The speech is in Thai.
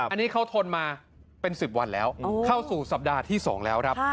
อันนี้เขาทนมาเป็น๑๐วันแล้วเข้าสู่สัปดาห์ที่๒แล้วครับ